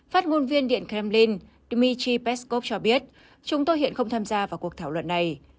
phát ngôn viên điện kremlin dmitry peskov cho biết chúng tôi hiện không tham gia vào cuộc thảo luận này